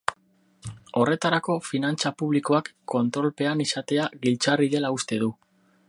Horretarako finantza publikoak kontrolpean izatea giltzarri dela uste du.